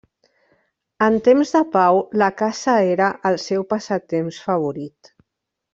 En temps de pau la caça era el seu passatemps favorit.